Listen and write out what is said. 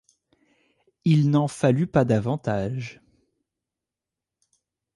Il n’en fallut pas davantage.